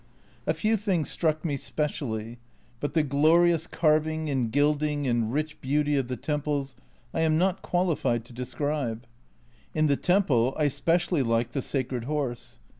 A few things struck me specially, but the glorious carving and gilding and rich beauty of the temples I am not qualified to describe. In the temple I specially liked the Sacred Horse.